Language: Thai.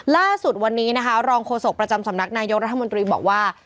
ล่าสุดวันนี้นะคะรองโฆษกประจำสำนักนายกรัฐมนตรีบอกว่า